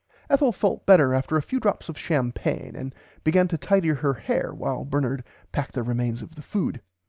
Ethel felt better after a few drops of champaigne and began to tidy her hair while Bernard packed the remains of the food.